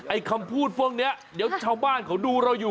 ไอ่คำพูดเพิ่งเนี่ยเดี๋ยวชาวบ้านเขาดูเราอยู่